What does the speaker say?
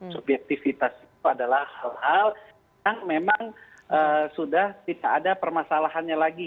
subjektivitas itu adalah hal hal yang memang sudah tidak ada permasalahannya lagi